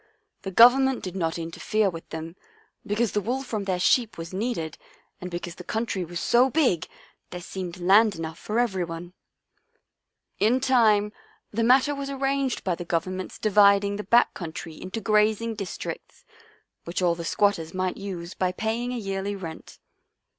The Government did not interfere with them, because the wool from their sheep was needed and because the country was so big there seemed land enough for everyone. In time the matter was arranged by the Govern ment's dividing the back country into grazing districts, which all the squatters might use by paying a yearly rent."